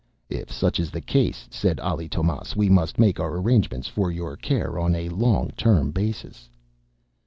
"If such is the case," said Ali Tomás, "we must make our arrangements for your care on a long term basis."